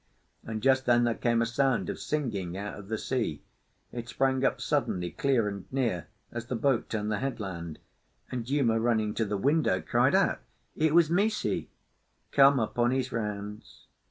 And just then there came a sound of singing out of the sea; it sprang up suddenly clear and near, as the boat turned the headland, and Uma, running to the window, cried out it was "Misi" come upon his rounds.